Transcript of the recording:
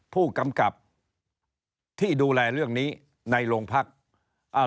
ผู้กำกับที่ดูแลเรื่องนี้ในโรงพักอ่า